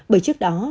bởi trước đó